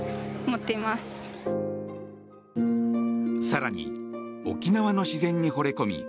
更に、沖縄の自然にほれ込み